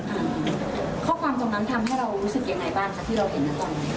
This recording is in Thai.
อ่าข้อความตรงนั้นทำให้เรารู้สึกยังไงบ้างคะที่เราเห็นนะตอนนี้